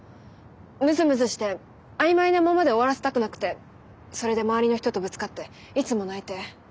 ムズムズして曖昧なままで終わらせたくなくてそれで周りの人とぶつかっていつも泣いて。